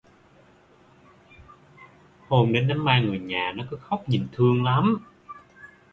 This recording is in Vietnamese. Hôm đến đám ma người nhà nó cứ khóc nhìn thương lắm